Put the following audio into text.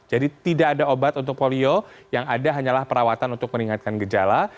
jadi tidak ada obat untuk polio yang ada hanyalah perawatan untuk meningkatkan gejala